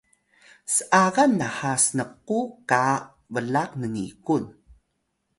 s’agal nha snku qa blaq nniqun